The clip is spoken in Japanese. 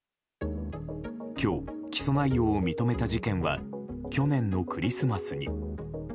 今日、起訴内容を認めた事件は去年のクリスマスに。